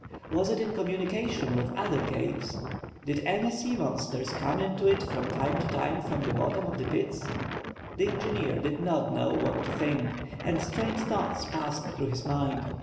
Was it in communication with other caves? Did any sea monsters come into it from time to time from the bottom of these pits? The engineer did not know what to think, and strange thoughts passed through his mind.